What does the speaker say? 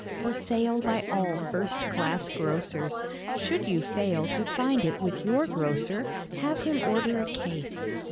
For sale by all first class grocers. Should you fail to find it with your grocer, have him order a case.